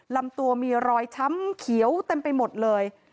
ลำตัวมีรอยช้ำเขียวเต็มไปหมดเลย